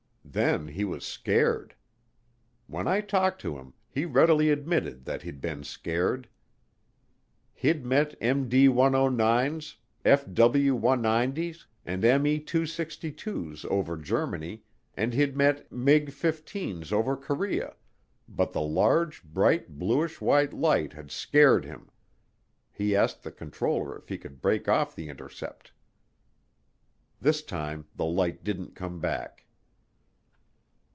Then he was scared. When I talked to him, he readily admitted that he'd been scared. He'd met MD 109's, FW 190's and ME 262's over Germany and he'd met MIG 15's over Korea but the large, bright, bluish white light had scared him he asked the controller if he could break off the intercept. This time the light didn't come back.